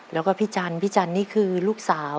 แล้วก็พี่จันทร์พี่จันนี่คือลูกสาว